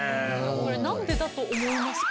これ何でだと思いますか？